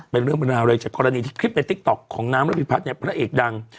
เป็นเรื่องเป็นราวเลยจากกรณีที่คลิปในติ๊กต๊อกของน้ำระพิพัฒน์เนี่ยพระเอกดัง